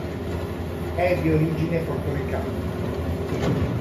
È di origine portoricana.